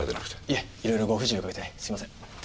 いえいろいろご不自由をかけてすみません。